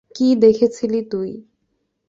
কী দেখেছিলি তুই?